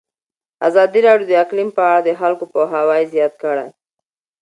ازادي راډیو د اقلیم په اړه د خلکو پوهاوی زیات کړی.